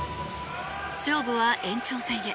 勝負は延長戦へ。